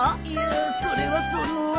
いやそれはその。